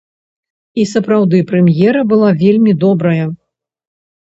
І сапраўды прэм'ера была вельмі добрая.